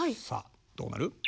さあどうなる？